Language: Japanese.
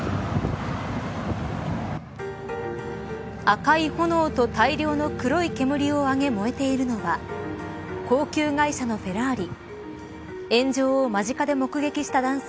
赤い炎と大量の黒い煙を上げ燃えているのは高級外車のフェラーリ。